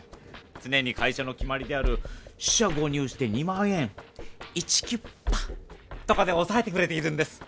つねに会社の決まりである四捨五入して２万円イチキュッパ！とかでおさえてくれているんです！